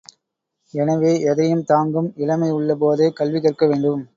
எனவே, எதையும் தாங்கும் இளமை உள்ள போதே கல்வி கற்கவேண்டும்.